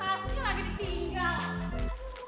tasunya lagi ditinggal